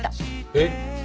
えっ？